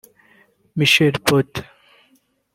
Michael Pote